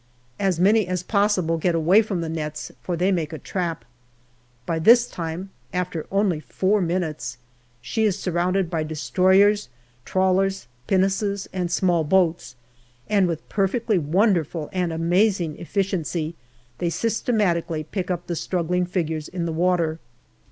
As many as possible get away from the nets, for they make a trap. By this time, after only four minutes, she is surrounded by destroyers, trawlers, pinnaces, and small boats, and with perfectly wonderful and amazing efficiency they systematically pick up the struggling figures in the water.